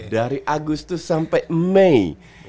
dari agustus sampai mei